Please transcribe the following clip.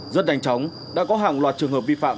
rất nhanh chóng đã có hàng loạt trường hợp vi phạm